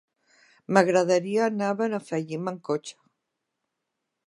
M'agradaria anar a Benifallim amb cotxe.